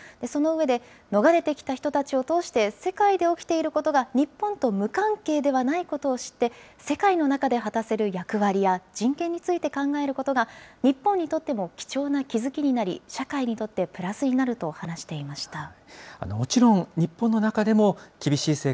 その上で、逃れてきた人たちを通して、世界で起きていることが日本と無関係ではないことを知って、世界の中で果たせる役割や人権について考えることが日本にとっても貴重な気付きになり、社会にとってプラスになると話していました。